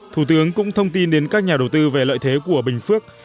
thủ tướng cũng thông tin đến các nhà đầu tư về lợi thế của bình phước